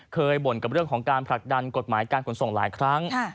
บ่นกับเรื่องของการผลักดันกฎหมายการขนส่งหลายครั้ง